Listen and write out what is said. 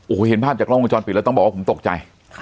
โอ้โหเห็นภาพจากกล้องวงจรปิดแล้วต้องบอกว่าผมตกใจ